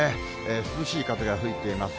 涼しい風が吹いています。